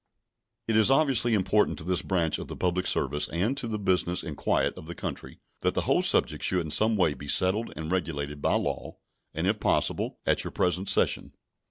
It is obviously important to this branch of the public service and to the business and quiet of the country that the whole subject should in some way be settled and regulated by law, and, if possible, at your present session.